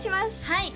はい